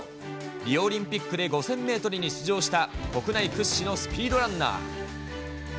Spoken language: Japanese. リオオリンピックで５０００メートルに出場した、国内屈指のスピードランナー。